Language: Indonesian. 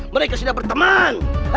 mereka sudah berteman